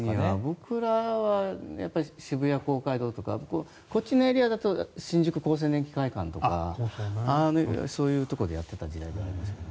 僕らは渋谷公会堂とかこっちのエリアだと新宿の会館とかそういうところでやってた時代ですね。